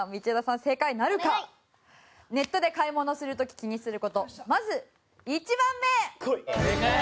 ネットで買い物をする時気にする事まず１番目！